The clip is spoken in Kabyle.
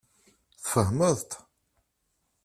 Tfehmeḍ-t?